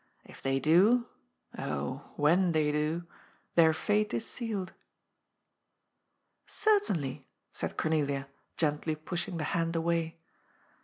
If they do — oh, when they do !— their fate is sealed. "Certainly," said Cornelia, gently pushing the hand away.